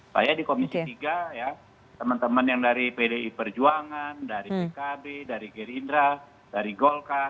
saya di komisi tiga ya teman teman yang dari pdi perjuangan dari pkb dari gerindra dari golkar